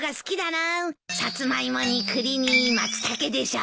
サツマイモにクリにマツタケでしょ。